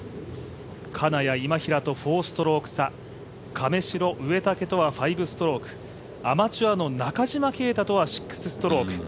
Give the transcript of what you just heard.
金谷、今平と４ストローク差、亀代、植竹とは５ストローク、アマチュアの中島啓太とは６ストローク。